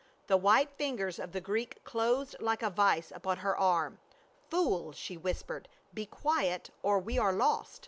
The white fingers of the Greek closed like a vise upon her arm. " Fool !" she whispered. " Be quiet, or we are lost."